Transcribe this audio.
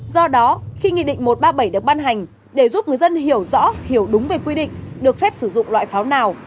do đó khi nghị định một trăm ba mươi bảy được ban hành để giúp người dân hiểu rõ hiểu đúng về quy định được phép sử dụng loại pháo nào